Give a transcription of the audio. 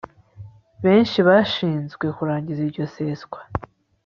benshibashinzwe kurangiza iryo seswa